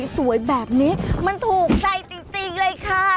กระเป๋าสวยแบบนี้มันถูกใจจริงเลยค่ะ